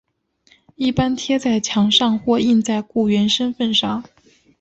一般贴在墙上或印在雇员身份上。